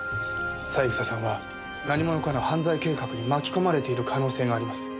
三枝さんは何者かの犯罪計画に巻き込まれている可能性があります。